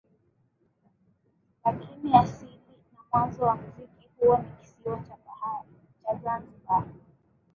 Lakini asili na mwanzo wa muziki huo ni kisiwa cha Zanzibar